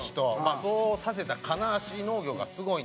そうさせた金足農業がすごいんですけど。